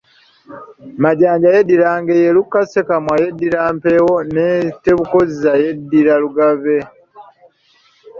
Majanja yeddira Ngeye, Luka Ssekamwa, yeddira Mpeewo ne Tebukozza yeddira Lugave.